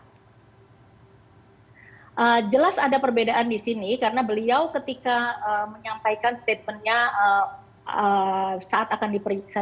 oh jelas ada perbedaan disini karena beliau ketika menyampaikan statementnya saat akan diperiksa